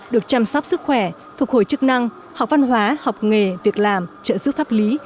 được chăm sóc sức khỏe phục hồi chức năng học văn hóa học nghề việc làm trợ giúp pháp lý